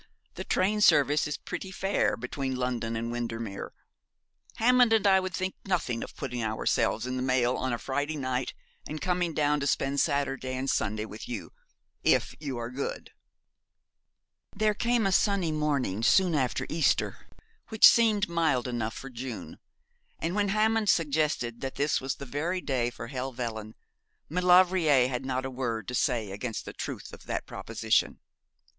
the train service is pretty fair between London and Windermere. Hammond and I would think nothing of putting ourselves in the mail on a Friday night, and coming down to spend Saturday and Sunday with you if you are good.' There came a sunny morning soon after Easter which seemed mild enough for June; and when Hammond suggested that this was the very day for Helvellyn, Maulevrier had not a word to say against the truth of that proposition.